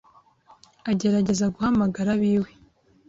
Agerageza guhamagara ab’iwe